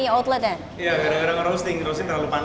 kan kita dananya yang terserah terbatas kan